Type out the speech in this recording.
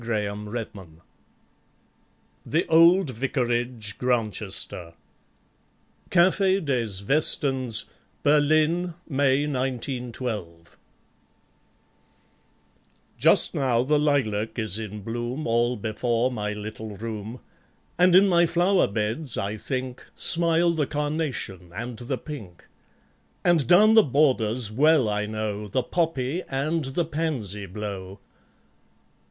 Grantchester The Old Vicarage, Grantchester (Cafe des Westens, Berlin, May 1912) Just now the lilac is in bloom, All before my little room; And in my flower beds, I think, Smile the carnation and the pink; And down the borders, well I know, The poppy and the pansy blow